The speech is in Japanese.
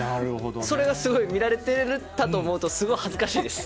それがすごい見られてたと思うと、すごい恥ずかしいです。